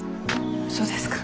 そうですか。